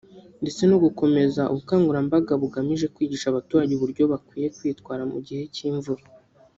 ndetse no gukomeza ubukangurambaga bugamije kwigisha abaturage uburyo bakwiye kwitwara mu gihe cy’imvura